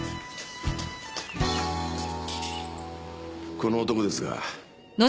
この男ですが。